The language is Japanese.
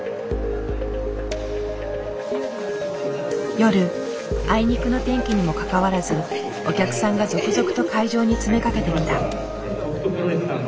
夜あいにくの天気にもかかわらずお客さんが続々と会場に詰めかけてきた。